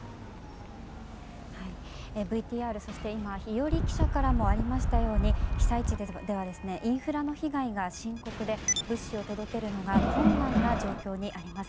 ＶＴＲ、そして今伊従記者からもありましたように被災地ではインフラの被害が深刻で物資を届けるのが困難な状況にあります。